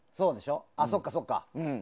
そっかそっか。